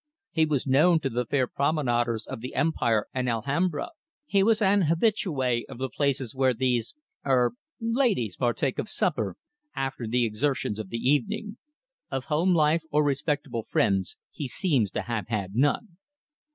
He was known to the fair promenaders of the Empire and Alhambra, he was an habitué of the places where these er ladies partake of supper after the exertions of the evening. Of home life or respectable friends he seems to have had none."